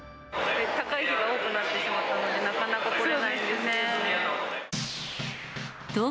高い日が多くなってしまったので、なかなか来れないんですけど。